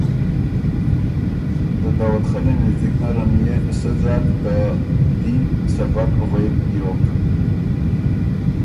ته داؤدخلّي مِزدک نرن يې سۀ ځاک ته دین سبق غوېک بیوک